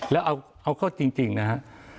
แล้วเอาข้อจริงนะครับ